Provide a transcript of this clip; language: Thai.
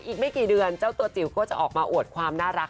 อีกไม่กี่เดือนเจ้าตัวจิ๋วก็จะออกมาอวดความน่ารัก